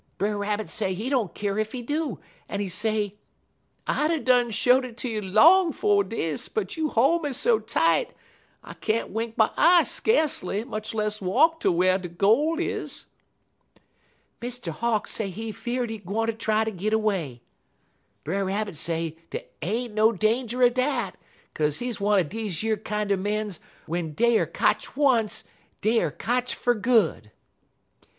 Brer Rabbit say he don't keer ef he do, en he say: "'I'd 'a' done show'd it ter you long 'fo' dis, but you hol' me so tight, I can't wink my eye skacely, much less walk ter whar de gol' is.' "Mr. Hawk say he fear'd he gwineter try ter git 'way. Brer Rabbit say dey ain't no danger er dat, 'kaze he one er deze yer kinder mens w'en dey er kotch once deyer kotch fer good.